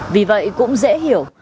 vì vậy cũng dễ hiểu